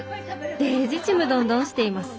デージちむどんどんしています」。